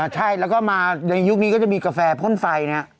ใช่แล้วก็มาในยุคนี้ก็จะมีกาแฟพ่นไฟนะ